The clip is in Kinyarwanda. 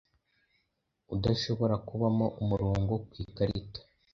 udashobora kubamo umurongo ku ikarita.